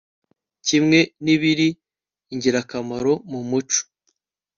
kimwe n'ibiri ingirakamaro mu muco